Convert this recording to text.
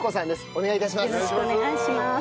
お願い致します。